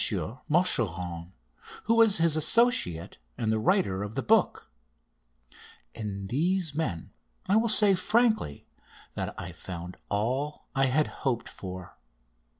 Machuron, who was his associate and the writer of the book. In these men I will say frankly that I found all I had hoped for.